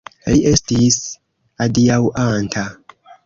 Li estis adiaŭanta.